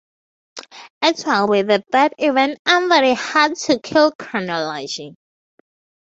It will be the third event under the Hard To Kill chronology.